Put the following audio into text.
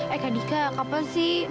eh kak dika kapan sih